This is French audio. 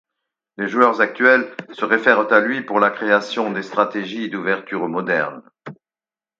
Les joueurs actuels se réfèrent à lui pour la création des stratégies d'ouverture modernes.